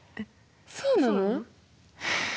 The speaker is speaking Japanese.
そうなの？